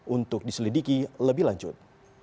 untuk diselidiki lebih lanjut